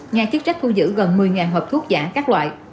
nhà chức trách thu giữ gần một mươi hộp thuốc giả các loại